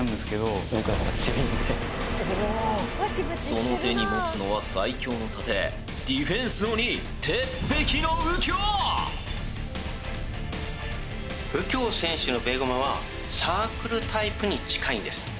その手に持つのは最強の盾ディフェンスの鬼佑京選手のベーゴマはサークルタイプに近いんです。